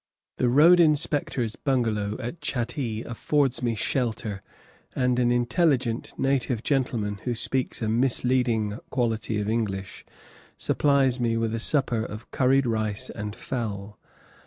The road inspector's bungalow at Chattee affords me shelter, and an intelligent native gentleman, who speaks a misleading quality of English, supplies me with a supper of curried rice and fowl.